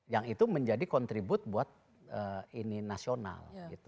yang itu menjadi kontribute buat ini nasional